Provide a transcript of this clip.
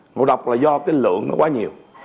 ngộ độc là do cái lượng nó quá nhiều